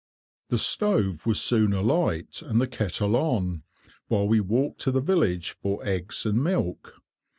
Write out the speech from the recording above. [Picture: Roach] The stove was soon alight, and the kettle on, while we walked to the village for eggs and milk.